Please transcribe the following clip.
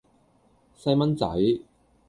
細蚊仔